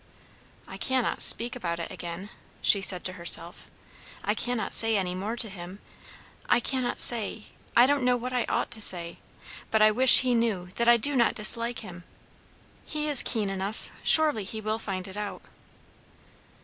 "I cannot speak about it again," she said to herself; "I cannot say any more to him. I cannot say I don't know what I ought to say! but I wish he knew that I do not dislike him. He is keen enough; surely he will find it out."